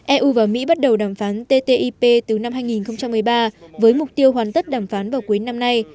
eu và mỹ bắt đầu đàm phán ttip từ năm hai nghìn một mươi ba với mục tiêu hoàn tất đàm phán vào cuối năm nay